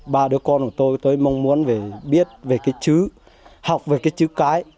ba đứa con của tôi tôi mong muốn biết về cái chữ học về cái chữ cái